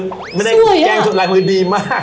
ช่วยมากแกล้งสุดการ์มือดีมาก